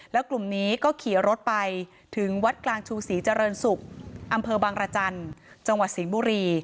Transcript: แล้วกลุ่มนี้ก็ขี่รถไปถึงวัดกลางชูศรีเจริญศุกร์อำเภอบางรจันทร์จังหวัดสิงห์บุรี